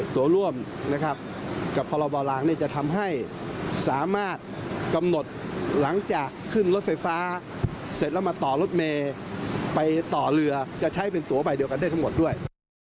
ตัวร่วมนะครับกับพรบลางจะทำให้สามารถกำหนดหลังจากขึ้นรถไฟฟ้าเสร็จแล้วมาต่อรถเมย์ไปต่อเรือจะใช้เป็นตัวใบเดียวกันได้ทั้งหมดด้วย